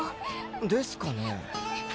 ですかね？